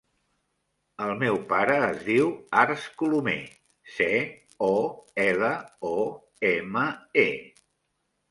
El meu pare es diu Arç Colome: ce, o, ela, o, ema, e.